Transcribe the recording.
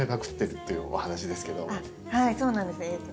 はいそうなんです。